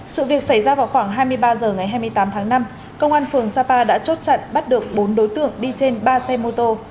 sự việc xảy ra vào khoảng hai mươi ba h ngày hai mươi tám tháng năm công an phường sapa đã chốt chặn bắt được bốn đối tượng đi trên ba xe mô tô